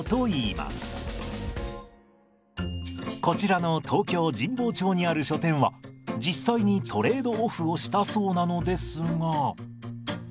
こちらの東京・神保町にある書店は実際にトレード・オフをしたそうなのですが。